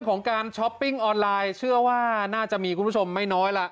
ของการช้อปปิ้งออนไลน์เชื่อว่าน่าจะมีคุณผู้ชมไม่น้อยล่ะ